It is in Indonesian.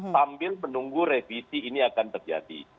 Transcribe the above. sambil menunggu revisi ini akan terjadi